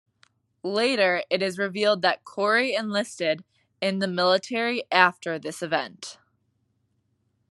Later, it is revealed that Cory enlisted in the military after this event.